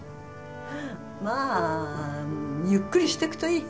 まあゆっくりしてくといい。